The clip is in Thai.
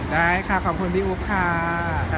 ได้ค่ะขอบคุณพี่อุ๊บค่ะ